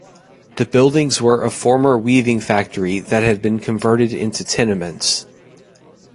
The Buildings were a former weaving factory that had been converted into tenements.